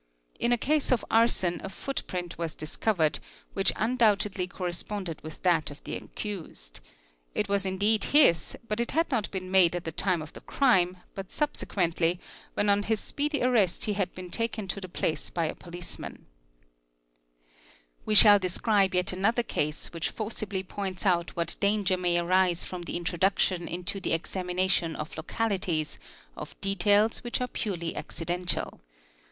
In a case of arson a footprint was discovel which undoubtedly corresponded with that of the accused. It was inde his, but it had not been made at the time of the crime, but subsequentl when on his speedy arrest he had been taken to the place by a policemé We shall describe yet another case which forcibly points out wh danger may arise from the introduction into the examination — e.g NIC oo >: YJ THE SCENE OF OFFENCE 129 ' localities, of details which are purely accidental.